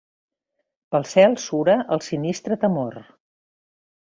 Pel cel sura el sinistre Temor.